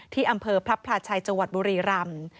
ที่อำเภอพระพลาชัยจบุรีรำ